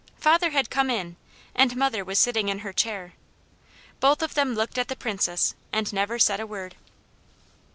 Father had come in, and mother was sitting in her chair. Both of them looked at the Princess and never said a word.